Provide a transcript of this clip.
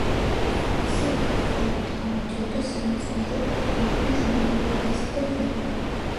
მისი რედაქტორობით გამოდიოდა სამეცნიერო-პოპულარული ჟურნალი „ვაზი და ღვინო“.